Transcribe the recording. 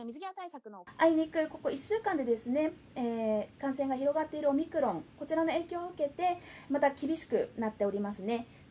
あいにくここ１週間でですね、感染が広がっているオミクロン、こちらの影響を受けて、また厳しくなっておりますね。